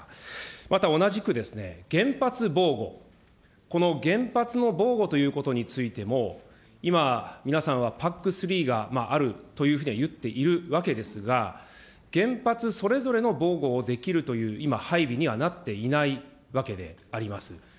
また同じく、原発防護、この原発の防護ということについても、今、皆さんはＰＡＣ３があるというふうにはいっているわけですが、原発それぞれの防護をできるという今配備になっていないわけであります。